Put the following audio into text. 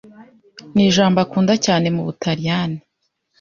Nijambo akunda cyane mubutaliyani.